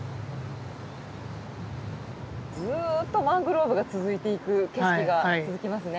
ずっとマングローブが続いていく景色が続きますね。